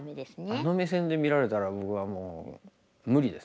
あの目線で見られたら僕はもう無理ですね。